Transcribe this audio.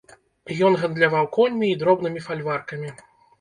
Ён гандляваў коньмі і дробнымі фальваркамі.